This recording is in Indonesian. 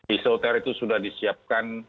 isoter itu sudah disiapkan